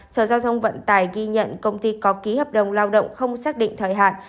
sở giao thông vận tải ghi nhận công ty có ký hợp đồng lao động không xác định thời hạn